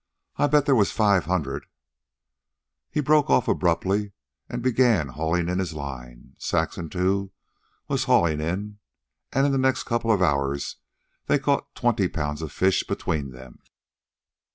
I bet there was five hundred " He broke off abruptly and began hauling in his line. Saxon, too, was hauling in. And in the next couple of hours they caught twenty pounds of fish between them.